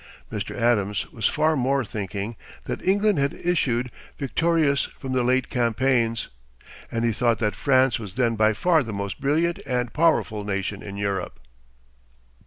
Mr. Adams was far from thinking that England had issued victorious from the late campaigns, and he thought that France was then by far the most brilliant and powerful nation in Europe.